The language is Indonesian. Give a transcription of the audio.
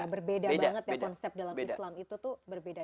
berbeda banget ya konsep dalam islam itu tuh berbeda